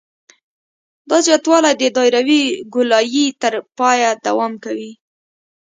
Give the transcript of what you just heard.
دا زیاتوالی د دایروي ګولایي تر پایه دوام کوي